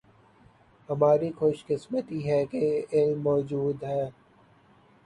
ہماری خوش قسمتی ہے کہ یہ علم موجود ہے